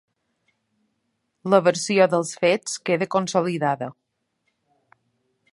La versió dels fets queda consolidada.